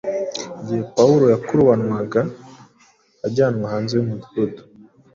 Igihe Pawulo yakurubanwaga akajyanwa hanze y’umudugudu,